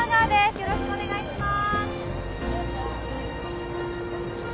よろしくお願いします